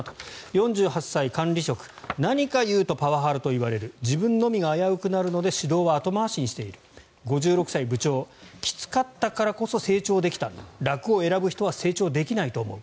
４８歳、管理職何か言うとパワハラと言われる自分の身が危うくなるので指導は後回しにしている５６歳、部長きつかったからこそ成長できた楽を選ぶ人は成長できないと思う。